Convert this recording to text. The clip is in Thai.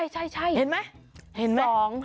ใช่เห็นไหม